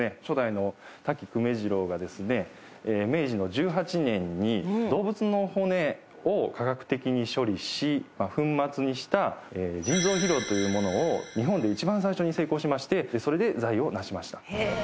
初代の多木久米次郎がですね明治の１８年に動物の骨を化学的に処理し粉末にした人造肥料というものを日本でいちばん最初に成功しましてそれで財を成しました。